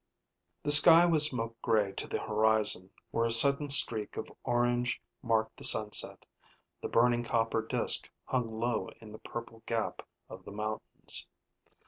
The sky was smoke gray to the horizon where a sudden streak of orange marked the sunset. The burning copper disk hung low in the purple gap of the mountains.